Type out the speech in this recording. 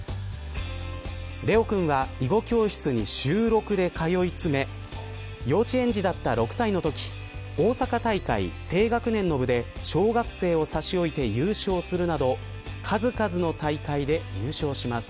怜央くんが囲碁教室に週６で通い詰め幼稚園児だった６歳のとき大阪大会低学年の部で小学生を差し置いて優勝するなど数々の大会で優勝します。